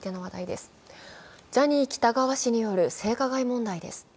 ジャニー喜多川氏による性加害問題です